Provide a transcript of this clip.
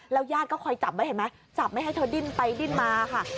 ญาติก็คอยจับไว้เห็นไหมจับไม่ให้เธอดิ้นไปดิ้นมาค่ะ